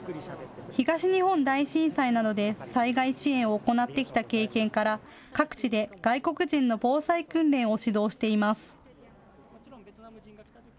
東日本大震災などで災害支援を行ってきた経験から各地で外国人の防災訓練を指導しています。